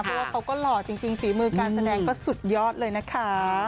เพราะว่าเขาก็หล่อจริงฝีมือการแสดงก็สุดยอดเลยนะคะ